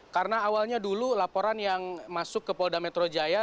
karena awalnya dulu laporan yang masuk ke polda metro jaya